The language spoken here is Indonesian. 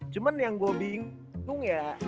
cuman yang gue bingung ya